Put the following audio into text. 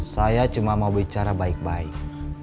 saya cuma mau bicara baik baik